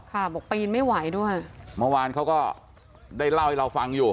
บอกปีนไม่ไหวด้วยเมื่อวานเขาก็ได้เล่าให้เราฟังอยู่